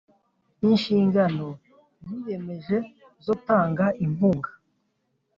Inshingano yiyemeje zo gutanga inkunga